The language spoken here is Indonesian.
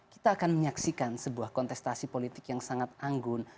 kita akan menyaksikan sebuah kontestasi politik yang sangat anggun